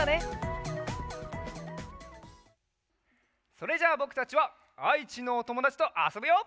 それじゃあぼくたちはあいちのおともだちとあそぶよ！